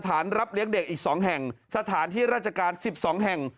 รับเลี้ยงเด็กอีก๒แห่งสถานที่ราชการ๑๒แห่ง